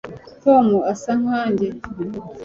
tom asa nkanjye